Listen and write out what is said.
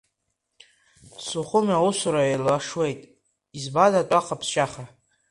Сухуми аусура еилашуеит, измада тәаха, ԥсшьаха.